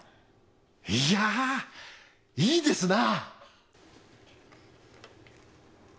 いやいいですな！